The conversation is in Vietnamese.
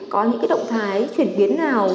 có những cái động thái chuyển biến nào